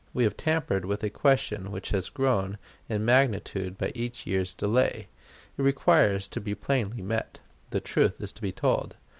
We have tampered with a question which has grown in magnitude by each year's delay. It requires to be plainly met the truth to be told.